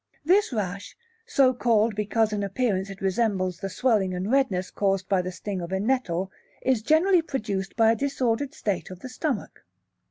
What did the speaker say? This rash, so called because in appearance it resembles the swelling and redness caused by the sting of a nettle, is generally produced by a disordered state of the stomach.